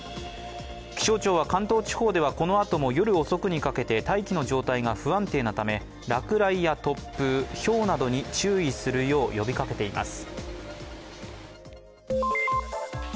気象庁は関東地方ではこのあとも夜遅くにかけて大気の状態が不安定なため、落雷や突風、ひょうなどに注意するよう呼びかけています。